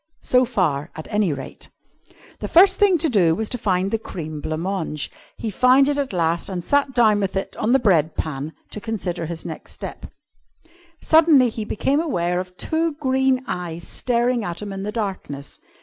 So far, at any rate. The first thing to do was to find the cream blanc mange. He found it at last and sat down with it on the bread pan to consider his next step. Suddenly he became aware of two green eyes staring at him in the darkness.